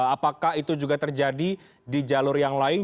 apakah itu juga terjadi di jalur yang lain